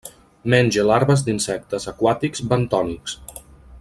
Menja larves d'insectes aquàtics bentònics.